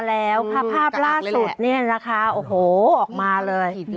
แล้วภาพล่าสุดเนี่ยนะคะโอ้โหออกมาเลย